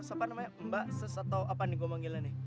siapa namanya mbak ses atau apa nih gua panggilnya nih